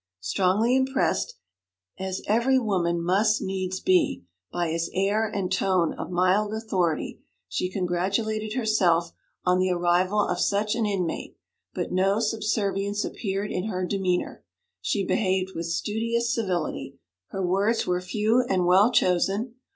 Strongly impressed, as every woman must needs be, by his air and tone of mild authority, she congratulated herself on the arrival of such an inmate; but no subservience appeared in her demeanour; she behaved with studious civility, nothing more. Her words were few and well chosen.